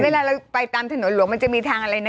เวลาเราไปตามถนนหลวงมันจะมีทางอะไรนะ